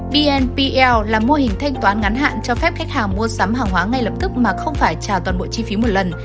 vnpl là mô hình thanh toán ngắn hạn cho phép khách hàng mua sắm hàng hóa ngay lập tức mà không phải trào toàn bộ chi phí một lần